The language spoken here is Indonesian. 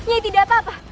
aku tidak apa apa